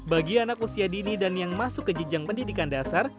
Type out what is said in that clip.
bagi anak usia dini dan yang masuk ke jenjang pendidikan dasar